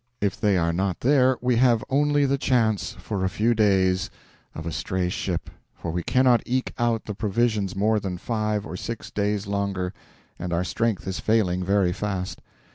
If there are not there, we have only the chance, for a few days, of a stray ship, for we cannot eke out the provisions more than five or six days longer, and our strength is failing very fast.